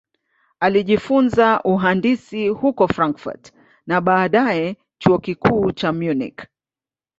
Alijifunza uhandisi huko Frankfurt na baadaye Chuo Kikuu cha Munich.